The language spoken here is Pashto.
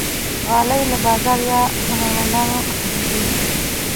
غالۍ له بازار یا هنرمندانو اخیستل کېږي.